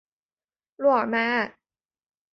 洛尔迈埃。